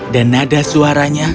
dan nada suaranya